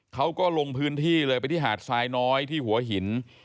เขาก็ลงพื้นที่เลยไปที่หาดทรายน้อยที่หัวหิน